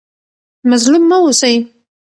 مظلوم مه اوسئ.